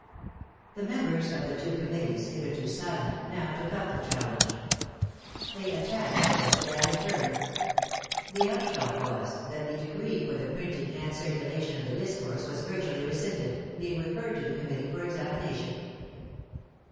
The members of the two Committees, hitherto silent, now took up the challenge. They attacked Robespierre in turn. The upshot was that the decree for the printing and circulation of the discourse was virtually rescinded, being referred to the Committee for examination.